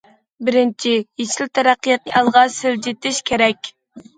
بىرىنچى، يېشىل تەرەققىياتنى ئالغا سىلجىتىش كېرەك.